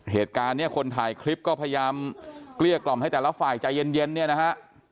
เหตุการณ์เนี่ยคนถ่ายคลิปก็พยายามเกลี้ยกล่อมให้แต่ละฝ่ายใจเย็นเนี่ยนะฮะ